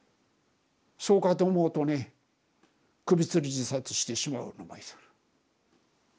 そうかと思うとね首つり自殺してしまうのがいる。